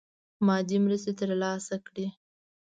مادي مرستي تر لاسه کړي.